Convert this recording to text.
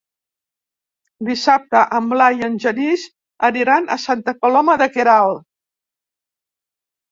Dissabte en Blai i en Genís aniran a Santa Coloma de Queralt.